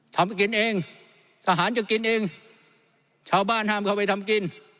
กินเองทหารจะกินเองชาวบ้านห้ามเข้าไปทำกิน